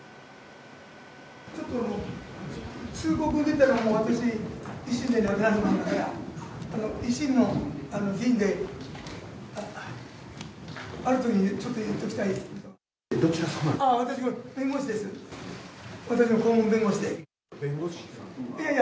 ちょっとあの、通告出たから、私、維新じゃなくなりますから、維新の議員で、あるときにね、ちょっと言っておきたい。